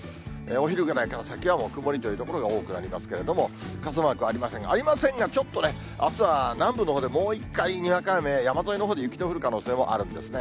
お昼ぐらいから先は、もう曇りという所が多くなりますけれども、傘マークありませんが、ありませんが、ちょっとね、あすは南部のほうでもう一回、にわか雨、山沿いのほうで雪の降る可能性もあるんですね。